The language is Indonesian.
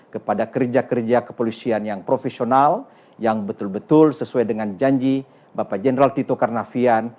kepada kerja kerja kepolisian yang profesional yang betul betul sesuai dengan janji bapak jenderal tito karnavian